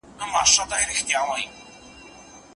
د بشپړې مقالې لیکل د شاګرد بنسټیز کار دی.